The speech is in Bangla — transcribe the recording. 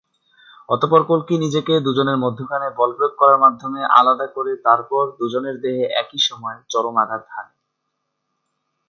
অতঃপর কল্কি নিজেকে দুজনের মধ্যখানে বলপ্রয়োগ করার মাধ্যমে আলাদা করে তারপর দুজনের দেহে একই সময়ে চরম আঘাত হানে।